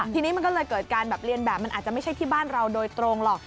ทีนี้มันก็เลยเกิดการแบบเรียนแบบมันอาจจะไม่ใช่ที่บ้านเราโดยตรงหรอก